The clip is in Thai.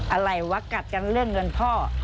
อะไรวะกัดกันเรื่องเงินพ่อ